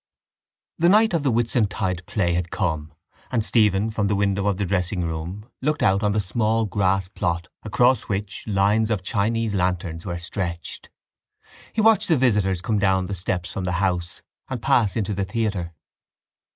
The night of the Whitsuntide play had come and Stephen from the window of the dressingroom looked out on the small grassplot across which lines of Chinese lanterns were stretched. He watched the visitors come down the steps from the house and pass into the theatre.